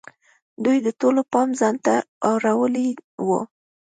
دوی د ټولو پام ځان ته اړولی وو.